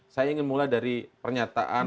saya ingin mulai dari pernyataan